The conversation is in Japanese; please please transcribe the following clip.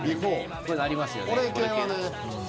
こういうのありますよね。